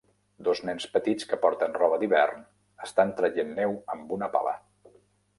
Dos nens petits que porten roba d'hivern estan traient neu amb una pala.